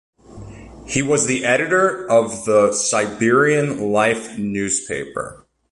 He was the editor of the "Siberian Life" newspaper.